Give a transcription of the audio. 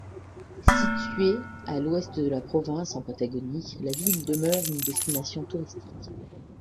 Située à l'ouest de la province, en Patagonie, la ville demeure une destination touristique.